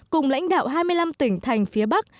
cùng lãnh đạo hai mươi năm tỉnh thành phía bắc